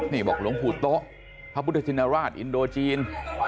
นี่บอกหลวงปู่โต๊ะพระพุทธชินราชอินโดจีน